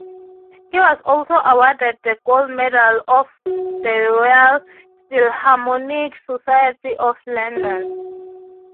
He was also awarded the Gold Medal of the Royal Philharmonic Society of London.